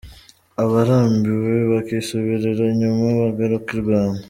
Abarambiwe bakisubirira inyuma bagaruka i Rwanda.